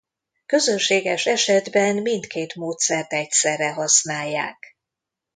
Közönséges esetben mindkét módszert egyszerre használják.